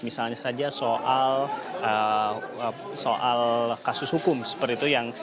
misalnya saja soal kasus hukum seperti itu yang